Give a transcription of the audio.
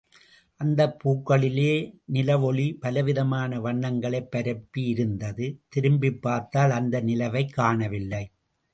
அந்தப் பூக்களிலே நிலவொளி பலவிதமான வண்ணங்களைப் பரப்பி யிருந்தது, திரும்பிப்பார்த்தால் அந்த நிலவைக் காணவில்லை.